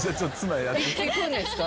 いくんですか？